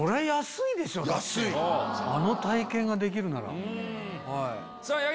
あの体験ができるなら。